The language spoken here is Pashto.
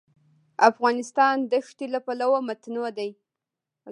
افغانستان د ښتې له پلوه متنوع دی.